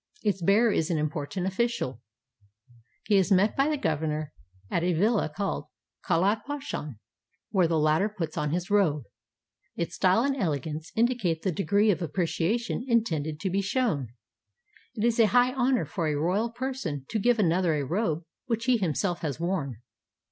Its bearer is an important official. He is met by the gov ernor at a villa called khallat pashan, where the latter puts on his robe. Its style and elegance indicate the degree of appreciation intended to be shown. It is a high honor for a royal person to give another a robe which he himself has worn.